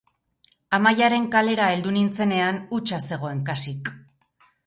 Amaiaren kalera heldu nintzenean hutsa zegoen kasik.